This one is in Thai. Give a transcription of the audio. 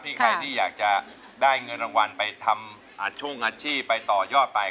ให้ใครที่อยากจะได้เงินรางวานไปช่วงงานต่อยอดไป